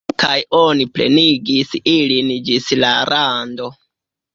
Kaj oni plenigis ilin ĝis la rando.